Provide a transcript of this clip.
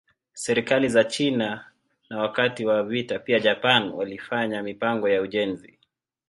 Serikali za China na wakati wa vita pia Japan walifanya mipango ya ujenzi.